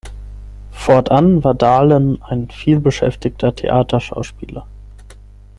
Fortan war Dahlen ein vielbeschäftigter Theaterschauspieler.